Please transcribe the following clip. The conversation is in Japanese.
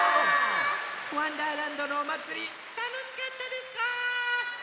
「わんだーらんど」のおまつりたのしかったですか？